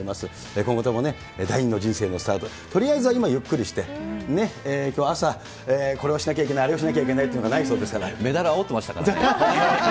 今後とも第２の人生のスタート、とりあえずは今、ゆっくりして、きょう朝、これをしなきゃいけない、あれをしなきゃいけないといメダルあおってましたからね。